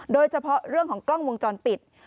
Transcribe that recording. โดยเฉพาะเรื่องของกล้องวงจรปิด